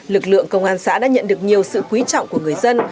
lực lượng công an xã đã nhận được nhiều sự quý trọng của người dân